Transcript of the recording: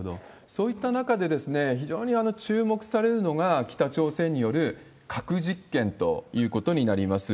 そういった中で、非常に注目されるのが、北朝鮮による核実験ということになります。